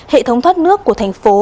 hệ thống thoát nước của thành phố